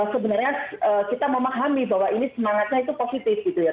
sebenarnya kita memahami bahwa ini semangatnya itu positif gitu ya